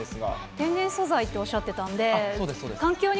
天然素材っておっしゃってたので。